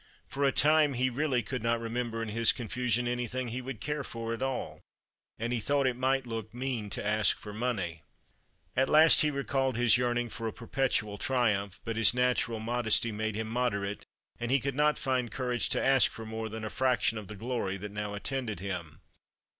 For a time he really could not remember in his confusion anything he would care for at all, and he thought it might look mean to ask for money. At last he recalled his yearning for a Perpetual Triumph, but his natural modesty made him moderate, and he could not find courage to ask for more than a fraction of the glory that now attended him.